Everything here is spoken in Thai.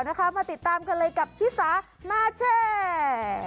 มาติดตามกันเลยกับชิสามาแชร์